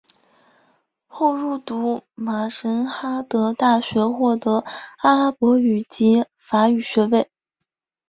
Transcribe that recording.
后入读马什哈德大学获阿拉伯语及法语学位。